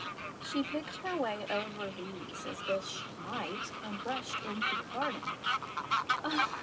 She picked her way over these as best she might, and rushed into the garden.